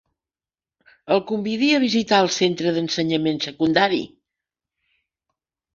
El convidi a visitar el centre d'ensenyament secundari.